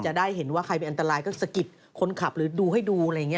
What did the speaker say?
จะได้เห็นว่าใครเป็นอันตรายก็สะกิดคนขับหรือดูให้ดูอะไรอย่างนี้